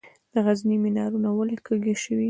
د غزني منارونه ولې کږه شوي؟